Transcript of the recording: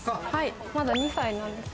まだ２歳なんです。